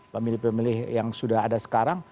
pemilih pemilih yang sudah ada sekarang